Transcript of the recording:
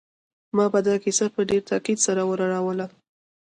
ما به دا کیسه په ډېر تاکید سره ور اوروله